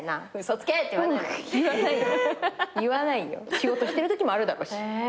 仕事してるときもあるだろうし。